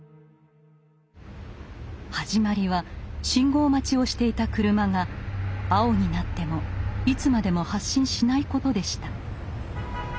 始まりは信号待ちをしていた車が青になってもいつまでも発進しないことでした。